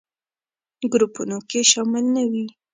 ګروپونو کې شامل نه وي.